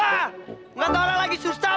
enggak tau orang lagi susah apa